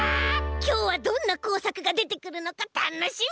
きょうはどんなこうさくがでてくるのかたのしみ！